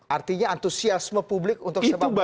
artinya antusiasme publik untuk sepak bola